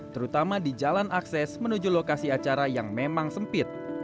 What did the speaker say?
terutama di jalan akses menuju lokasi acara yang memang sempit